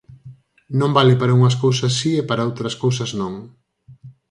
Non vale para unhas cousas si e para outras cousas non.